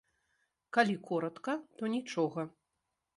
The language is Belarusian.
Калі коратка, то нічога.